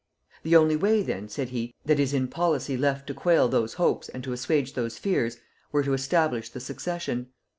The only way then, said he, that is in policy left to quail those hopes and to assuage those fears, were to establish the succession...